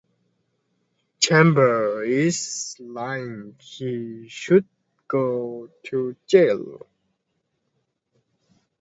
Chambers is lying, he should go to jail.